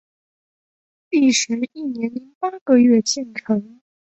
历时一年零八个月建成。